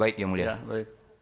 baik yang mulia